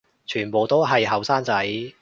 全部都係後生仔